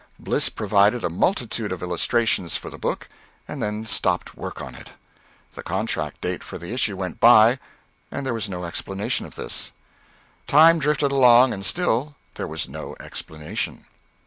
Bliss provided a multitude of illustrations for the book, and then stopped work on it. The contract date for the issue went by, and there was no explanation of this. Time drifted along and still there was no explanation.